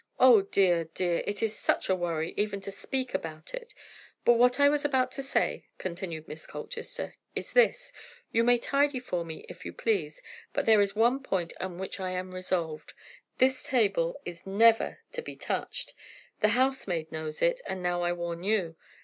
Oh, dear, dear, it is such a worry even to speak about it! But what I was about to say," continued Miss Colchester, "is this: You may tidy for me if you please; but there is one point on which I am resolved. This table is never to be touched. The housemaid knows it, and now I warn you.